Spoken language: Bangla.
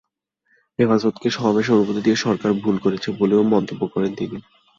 হেফাজতকে সমাবেশের অনুমতি দিয়ে সরকার ভুল করেছে বলেও মন্তব্য করেন তিনি।